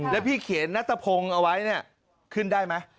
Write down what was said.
แล้วพี่เขียนนักตะโพงเอาไว้ขึ้นได้ไหม